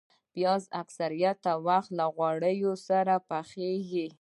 پیاز اکثره وخت له غوړو سره پخېږي